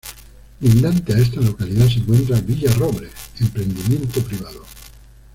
Lindante a esta localidad se encuentra Villa Robles, emprendimiento privado.